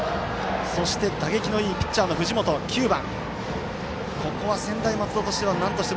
そして、打撃のいいピッチャーの藤本、９番。